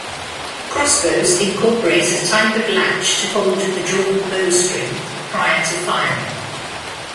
Crossbows incorporate a type of latch to hold the drawn bowstring prior to firing.